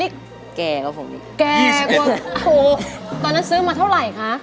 แก่กว่าโอ้โหตอนนั้นซื้อมาเท่าไหร่คะ